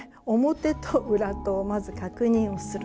表と裏とをまず確認をする。